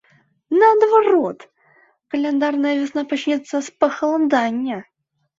Наадварот, каляндарная вясна пачнецца з пахаладання.